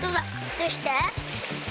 どうして？